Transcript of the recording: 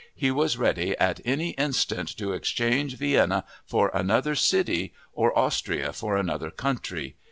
He was ready at any instant to exchange Vienna for another city or Austria for another country....